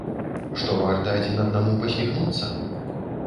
Што варта адзін аднаму пасміхнуцца?